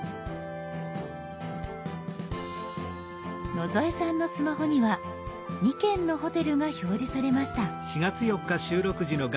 野添さんのスマホには２件のホテルが表示されました。